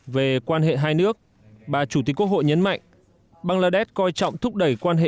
về quan hệ hai nước bà chủ tịch quốc hội nhấn mạnh bangladesh coi trọng thúc đẩy quan hệ